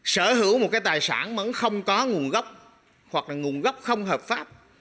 sở hữu một cái tài sản mà không có nguồn gốc hoặc là nguồn gốc không hợp pháp